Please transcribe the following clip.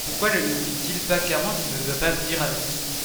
Pourquoi ne nous dit-il pas clairement qu'il ne veut pas vnier avec nous ?